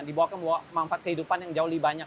dibawakan manfaat kehidupan yang jauh lebih banyak